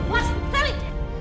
terus kuas selly